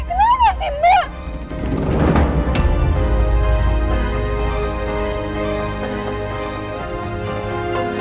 kenapa dia meninggal